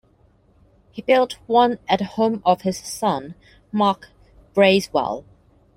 He built one at the home of his son, Mark Bracewell.